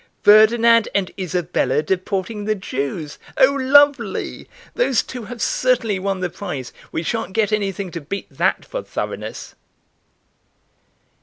Ferdinand and Isabella deporting the Jews! Oh, lovely! Those two have certainly won the prize; we shan't get anything to beat that for thoroughness."